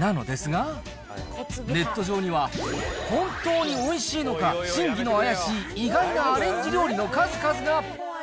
なのですが、ネット上には、本当においしいのか、真偽のあやしい意外なアレンジ料理の数々が。